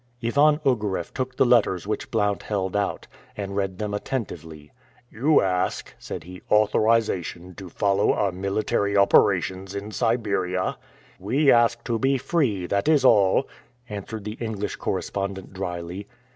Ivan Ogareff took the letters which Blount held out, and read them attentively. "You ask," said he, "authorization to follow our military operations in Siberia?" "We ask to be free, that is all," answered the English correspondent dryly.